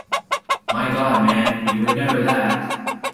My God, man, you were never that.